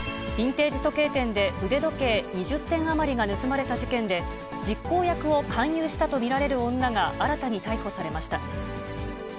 ビンテージ時計店で腕時計２０点余りが盗まれた事件で、実行役を勧誘したと見られる女が、新たに逮捕されました。